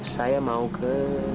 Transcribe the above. saya mau ke